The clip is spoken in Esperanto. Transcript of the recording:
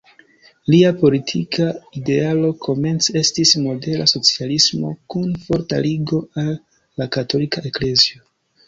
Lia politika idealo komence estis modera socialismo kun forta ligo al la katolika eklezio.